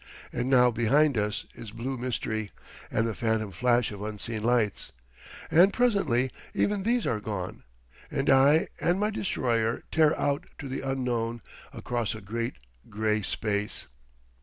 And now behind us is blue mystery and the phantom flash of unseen lights, and presently even these are gone, and I and my destroyer tear out to the unknown across a great grey space.